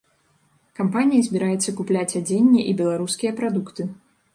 Кампанія збіраецца купляць адзенне і беларускія прадукты.